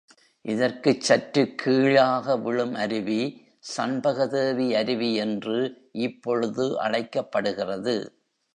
இதற்குச் சற்றுக் கீழாக விழும் அருவி சண்பகதேவி அருவி என்று இப்பொழுது அழைக்கப்படுகிறது.